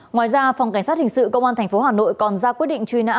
ngoài ra phòng cảnh sát hình sự công an tp hà nội còn ra quyết định truy nã